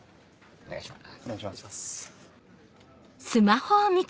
お願いします。